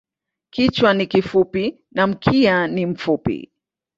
Kichwa ni kifupi na mkia ni mfupi.